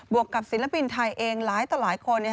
วกกับศิลปินไทยเองหลายต่อหลายคน